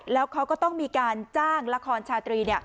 แล้วเขาก็ต้องมีการจ้างละครชาตรี